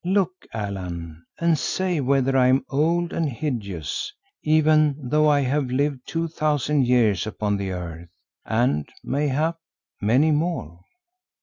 Look, Allan, and say whether I am old and hideous, even though I have lived two thousand years upon the earth and mayhap many more."